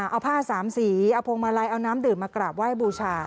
เอาผ้าสามสีเอาพวงมาลัยเอาน้ำดื่มมากราบไหว้บูชา